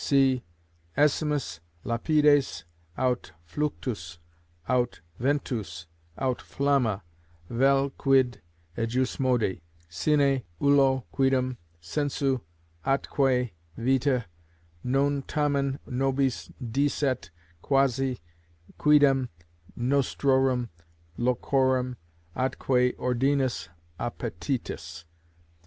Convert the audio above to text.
Si essemus lapides, aut fluctus, aut ventus, aut flamma, vel quid ejusmodi, sine ullo quidem sensu atque vita, non tamen nobis deesset quasi quidam nostrorum locorum atque ordinis appetitus.